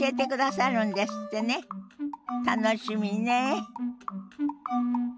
楽しみねえ。